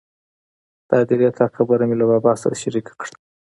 د هدیرې تګ خبره مې له بابا سره شریکه کړه.